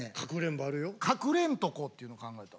かくれんとこっていうの考えた。